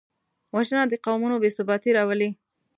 وژنه د قومونو بېثباتي راولي